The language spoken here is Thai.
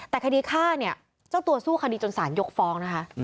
แต่คดีฆ่าเนี่ยเจ้าตัวสู้คดีจนสารยกฟ้องนะคะ